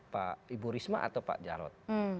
pak ibu risma atau pak jarod